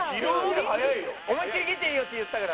思いっきり来ていいよって言ったから